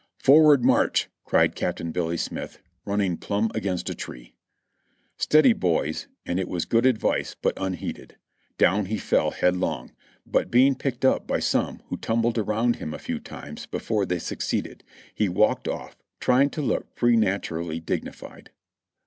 "Forward, march !" cried Captain Billy Smith, running plumb against a tree. "Steady, boys," and it was good advice but unheeded. Down he fell headlong, but being picked up by some who tumbled around him a few times before they succeeded, he walked off, trying to look pre ternaturally dignified.